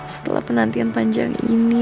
setelah penantian panjang ini